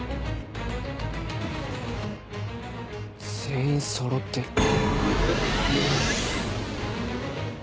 全員そろってる。